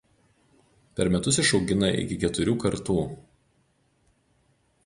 Per metus išaugina iki keturių kartų.